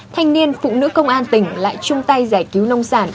thanh niên phụ nữ công an tỉnh lại chung tay giải cứu nông sản